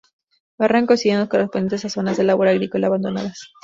Barrancos y llanos correspondientes a zonas de labor agrícola abandonadas.